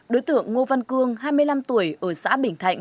đối tượng ngô văn cương hai mươi năm tuổi ở xã bình thạnh